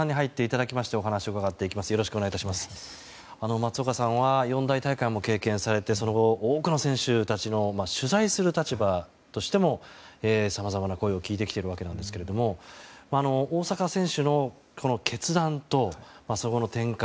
松岡さんは四大大会も経験されてその後多くの選手たちの取材する立場としてもさまざまな声を聞いてきているわけなんですけれども大坂選手の決断とその後の展開